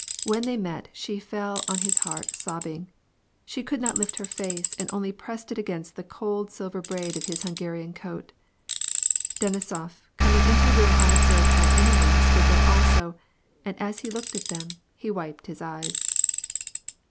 When they met, she fell on his heart, sobbing. She could not lift her face, and only pressed it against the cold silver braid of his Hungarian coat. Denisof, coming into the room unobserved by any one, stood there also, and as he looked at them, he wiped his eyes.